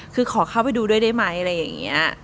คือขอเข้าไปดูด้วยได้ไหมอะไรอย่างนี้